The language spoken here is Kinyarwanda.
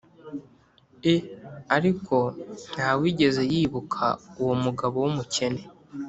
e Ariko nta wigeze yibuka uwo mugabo w umukene